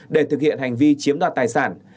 để thực hiện hành vi chiếm đoạt tài sản